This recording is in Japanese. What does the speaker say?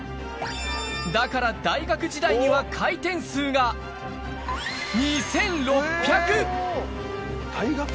だから大学時代には回転数が２６００。